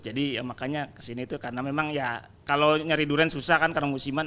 jadi makanya kesini itu karena memang ya kalau nyari durian susah kan karena musiman